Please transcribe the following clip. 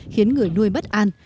khiến người nuôi bất an